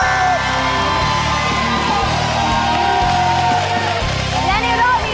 คุณเคี่ยวเพชรเกอร์